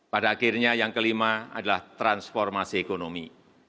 pada akhirnya yang kelima adalah transformasi ekonomi